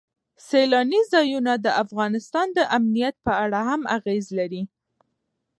سیلانی ځایونه د افغانستان د امنیت په اړه هم اغېز لري.